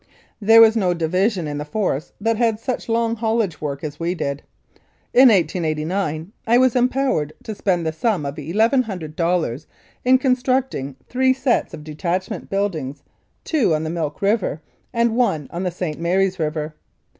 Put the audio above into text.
There was no division in the Force that had such long haulage work as we did. In 1889 I was empowered to spend the sum of eleven hundred dollars in constructing three sets of detachment buildings, two on the Milk River and one on the St. Mary's River.